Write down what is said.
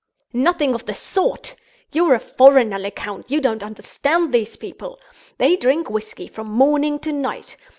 "Nothing of the sort! You're a foreigner, Lecount; you don't understand these people. They drink whisky from morning to night.